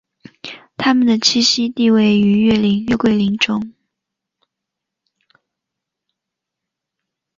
它们的栖息地位于月桂林中。